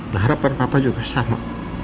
berharapan papa juga sama